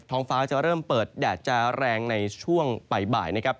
ห้องฟ้าจะเริ่มเปิดแดดจะแรงในช่วงบ่ายนะครับ